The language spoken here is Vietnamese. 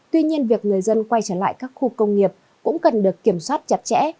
tuy nhiên việc người dân quay trở lại các khu công nghiệp cũng cần được kiểm soát chặt chẽ